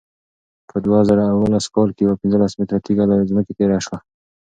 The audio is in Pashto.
په دوه زره اوولس کال کې یوه پنځلس متره تېږه له ځمکې تېره شوه.